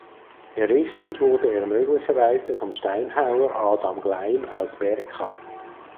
Errichtet wurde er möglicherweise vom Steinhauer Adam Gleim aus Berka.